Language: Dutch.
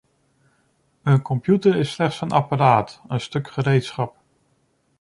Een computer is slechts een apparaat, een stuk gereedschap.